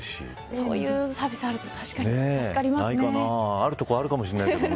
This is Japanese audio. そういうサービスがあると確かに助かりますね。